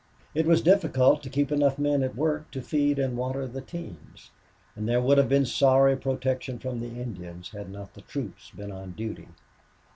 It was difficult to keep enough men at work to feed and water the teams, and there would have been sorry protection from the Indians had not the troops been on duty.